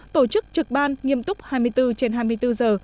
tổ chức trực ban nghiêm túc hai mươi bốn trên hai mươi bốn giờ